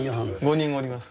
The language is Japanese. ５人おります。